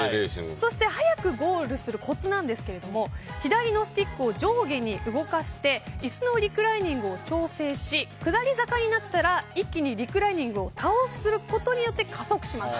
そして、早くゴールするコツなんですが左のスティックを上下に動かして椅子のリクライニングを調整し、下り坂になったら一気にリクライニングを倒すことによって加速します。